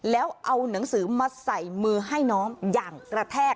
แล้วเอาหนังสือมาใส่มือให้น้องอย่างกระแทก